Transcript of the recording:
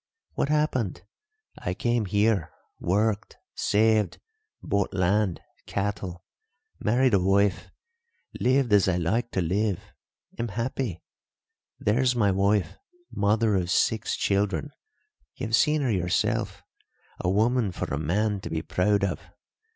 What happened? I came here, worked, saved, bought land, cattle; married a wife, lived as I liked to live am happy. There's my wife mother of six children you have seen her yourself, a woman for a man to be proud of.